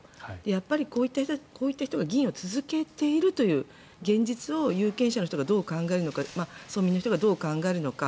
やっぱり、こういった人が議員を続けているという現実を有権者の人がどう考えるのか村民の人がどう考えるのか。